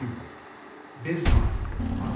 Bismarck Oct.